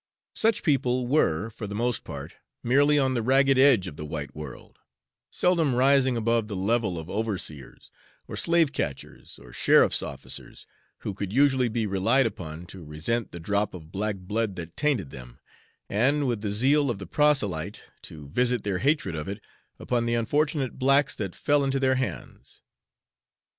Such people were, for the most part, merely on the ragged edge of the white world, seldom rising above the level of overseers, or slave catchers, or sheriff's officers, who could usually be relied upon to resent the drop of black blood that tainted them, and with the zeal of the proselyte to visit their hatred of it upon the unfortunate blacks that fell into their hands.